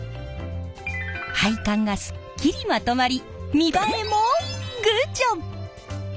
配管がすっきりまとまり見栄えもグッジョブ！